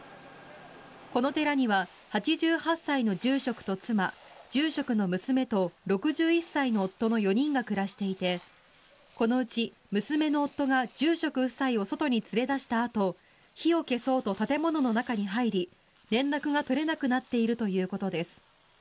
この寺には８８歳の住職と妻住職の娘と６１歳の夫の４人が暮らしていてこのうち娘の夫が住職夫妻を外に連れ出したあと火を消そうと建物の中に入り連絡が取れなくなっているということです。